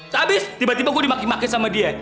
sehabis tiba tiba gue dimaki maki sama dia